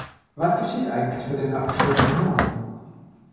Was geschieht eigentlich mit den abgeschnittenen Haaren?